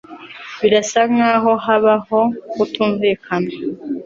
Birasa nkaho habaho kutumvikana.